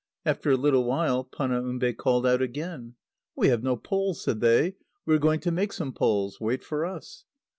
After a little while Panaumbe called out again. "We have no poles," said they; "we are going to make some poles. Wait for us!"